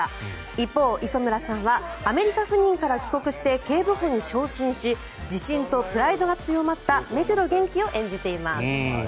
一方、磯村さんはアメリカ赴任から帰国して警部補に昇進し自信とプライドが強まった目黒元気を演じています。